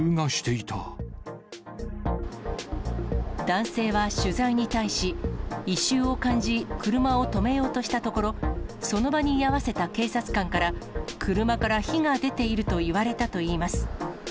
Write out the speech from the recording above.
男性は取材に対し、異臭を感じ、車を止めようとしたところ、その場に居合わせた警察官から、車から火が出ていると言われたといいます。